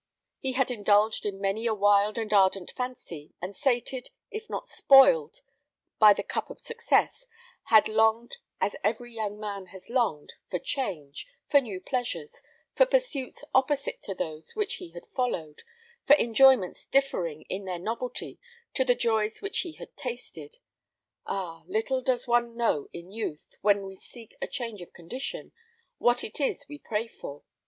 He had indulged in many a wild and ardent fancy, and sated, if not spoiled, by the cup of success, had longed, as every young man has longed, for change, for new pleasures, for pursuits opposite to those which he had followed, for enjoyments differing in their novelty to the joys which he had tasted. Ah! little does one know in youth, when we seek a change of condition, what it is we pray for.